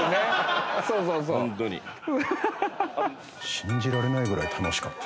信じられないぐらい楽しかった。